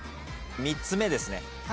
３つ目ですね